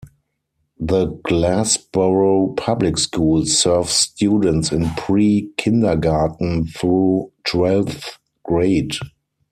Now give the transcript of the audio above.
The Glassboro Public Schools serve students in pre-kindergarten through twelfth grade.